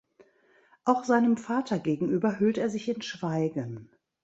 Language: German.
Auch seinem Vater gegenüber hüllt er sich in Schweigen.